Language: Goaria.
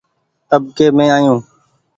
اٻڪي مين آيو ۔